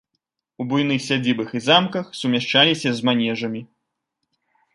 У буйных сядзібах і замках сумяшчаліся з манежамі.